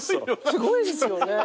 すごいですよね。